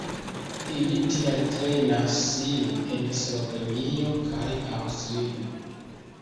Ili tial trejnas sin en Slovenio kaj Aŭstrio.